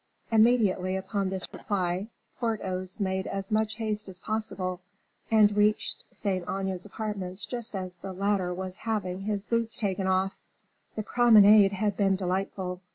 Immediately upon this reply, Porthos made as much haste as possible, and reached Saint Aignan's apartments just as the latter was having his boots taken off. The promenade had been delightful.